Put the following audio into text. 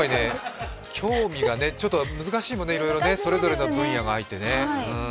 興味がちょっと難しいもんね、それぞれの分野が入ってね。